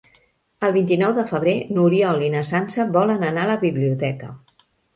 El vint-i-nou de febrer n'Oriol i na Sança volen anar a la biblioteca.